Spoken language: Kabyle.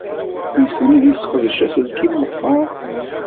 Yessen ad yesseqdec aselkim meqqar?